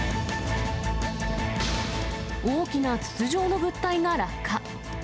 大きな筒状の物体が落下。